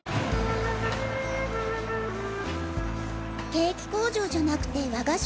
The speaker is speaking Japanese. ケーキ工場じゃなくて和菓子